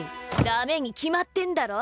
ダメに決まってんだろ。